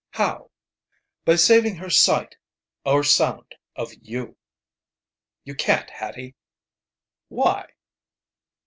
"How?" "By saving her sight or sound of you." "You can't, Hattie." "Why?"